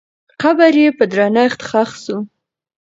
قبر یې په درنښت ښخ سو.